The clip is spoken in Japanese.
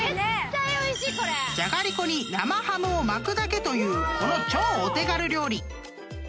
［じゃがりこに生ハムを巻くだけというこの超お手軽料理］